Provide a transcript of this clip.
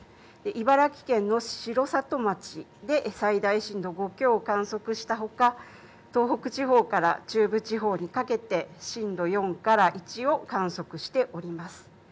茨城県の城里町で最大震度５強を観測したほか東北地方から中部地方にかけて震度４から１を観測しております。